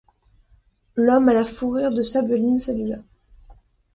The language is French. L’homme à la fourrure de sabelline salua.